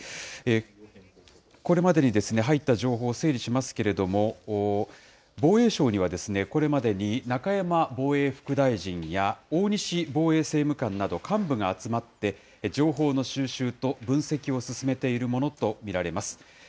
これまでに入った情報を整理しますけれども、防衛省には、これまでに中山防衛副大臣や、大西防衛政務官など幹部が集まって、情報の収集と分析を進めているものと見られます。